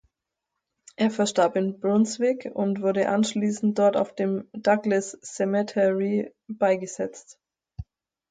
Er verstarb in Brunswick und wurde anschließend dort auf dem "Douglas Cemetery" beigesetzt.